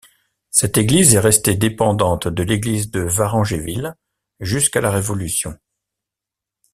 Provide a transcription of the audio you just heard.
Cette église est restée dépendante de l'église de Varangéville jusqu'à la Révolution.